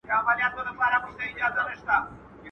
په خپلو خپل، په پردو پردى.